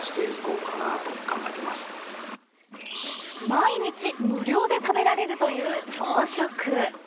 毎日無料で食べられるという朝食。